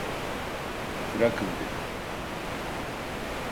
Bırakın dedim!